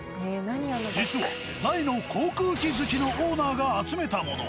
実は大の航空機好きのオーナーが集めたもの。